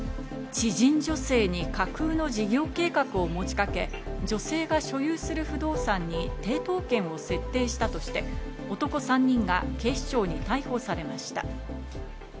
知人女性に架空の事業計画を持ちかけ、女性が所有する不動産に抵当権を設定したとして、男３人が警視庁に逮捕されました。